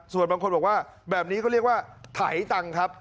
ส่วนบางคนบอกว่าแบบนี้ก็เรียกว่าถ่ายตังครับ